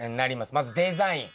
まずデザイン。